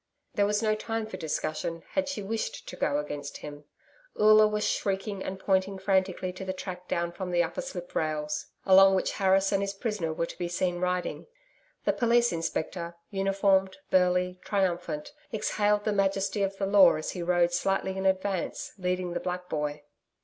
There was no time for discussion, had she wished to go against him. Oola was shrieking and pointing frantically to the track down from the upper slip rails, along which Harris and his prisoner were to be seen riding. The Police Inspector, uniformed, burly, triumphant, exhaled the Majesty of the Law as he rode slightly in advance leading the black boy.